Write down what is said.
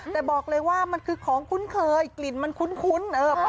แต่บอกเลยว่ามันคือของคุ้นเคยกลิ่นมันคุ้น